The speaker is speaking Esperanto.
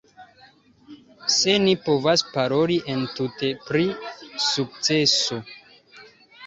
Se ni povas paroli entute pri sukceso?